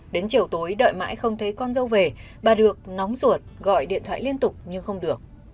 đến chiều tối đợi mãi không thấy con dâu về bà được nóng ruột gọi điện thoại liên tục nhưng không được